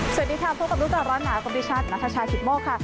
สวัสดีค่ะพบกับรู้จักรรมนาคมดิชันนักภาชาธิกโมกค่ะ